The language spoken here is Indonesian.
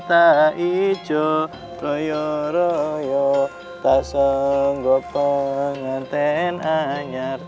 tak ijo royo royo tak sanggup pengantin anyar